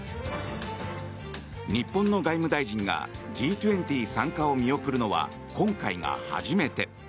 日本の外務大臣がＧ２０参加を見送るのは今回が初めて。